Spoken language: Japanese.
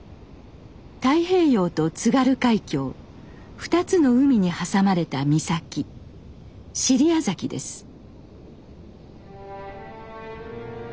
太平洋と津軽海峡２つの海に挟まれた岬尻屋崎です。